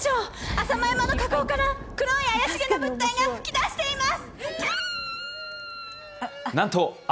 浅間山の火口から黒い怪しげな物体が噴き出しています！